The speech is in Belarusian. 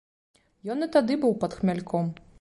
Ён і тады быў пад хмяльком.